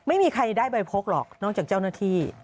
ไม่มีใครได้ใบพกหรอกนอกจากเจ้าหน้าที่